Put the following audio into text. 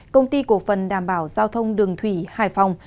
công ty cổ phần đảm bảo giao thông đường thủy hải phòng